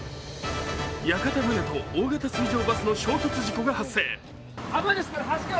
屋形船と大型水上バスの衝突事故が発生。